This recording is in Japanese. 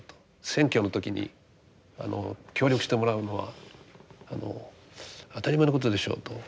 選挙の時に協力してもらうのは当たり前のことでしょうと。